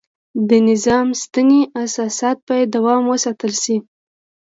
د نظام سنتي اساسات باید دوام وساتل شي.